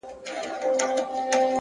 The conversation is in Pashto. هره ورځ د نوې موخې چانس لري.!